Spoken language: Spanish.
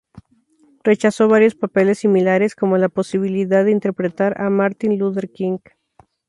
Rechazó varios papeles similares, como la posibilidad de interpretar a Martin Luther King.